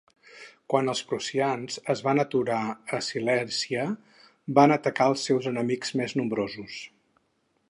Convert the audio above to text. Quan els prussians es van aturar a Silèsia, van atacar als seus enemics més nombrosos.